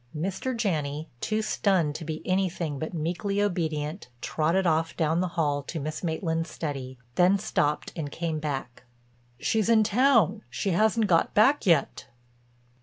Mr. Janney, too stunned to be anything but meekly obedient, trotted off down the hall to Miss Maitland's study, then stopped and came back: "She's in town; she hasn't got back yet."